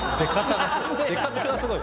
出方がすごい。